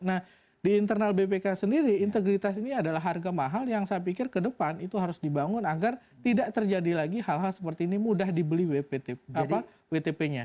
nah di internal bpk sendiri integritas ini adalah harga mahal yang saya pikir ke depan itu harus dibangun agar tidak terjadi lagi hal hal seperti ini mudah dibeli wtp nya